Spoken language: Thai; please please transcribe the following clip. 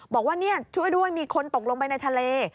บอกว่าช่วยด้วยมีคนตกลงไปในทะเล